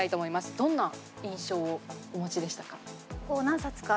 どんな印象をお持ちでしたか？